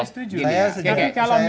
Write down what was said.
kalau itu saya setuju